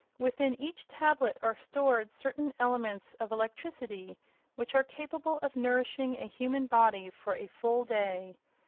Within each tablet are stored certain elements of electricity which are capable of nourishing a human body for a full day.